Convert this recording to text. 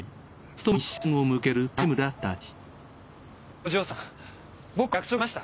お嬢さん！